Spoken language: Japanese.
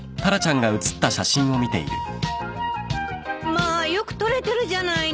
まあよく撮れてるじゃないの。